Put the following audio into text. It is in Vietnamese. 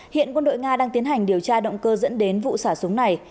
hiện quân đội nga đang tiến hành điều tra động cơ dẫn đến vụ xả súng này